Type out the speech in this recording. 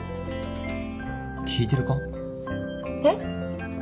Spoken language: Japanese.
聞いてるか？